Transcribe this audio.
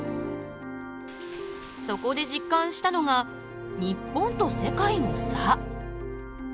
そこで実感したのが日本と世界の差。